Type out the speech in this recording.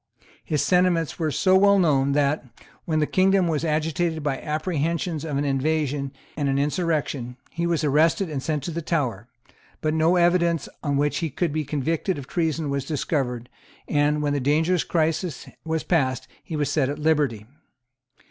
His sentiments were so well known that, when the kingdom was agitated by apprehensions of an invasion and an insurrection, he was arrested and sent to the Tower; but no evidence on which he could be convicted of treason was discovered; and, when the dangerous crisis was past, he was set at liberty.